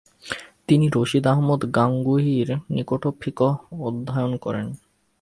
তিনি রশিদ আহমদ গাঙ্গুহির নিকটও ফিকহ অধ্যয়ন করেন।